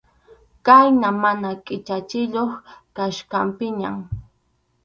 Khayna mana qʼichachiyuq kachkaptinñan.